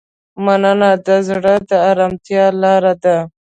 مننه د زړه د ارامتیا لاره ده.